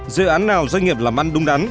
dự án nào doanh nghiệp làm ăn đúng đắn